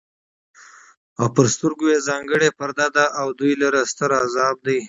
او پر سترگو ئې ځانگړې پرده ده او دوى لره ستر عذاب دی